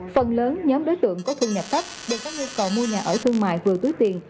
phần lớn nhóm đối tượng có thu nhập thấp đều có nhu cầu mua nhà ở thương mại vừa túi tiền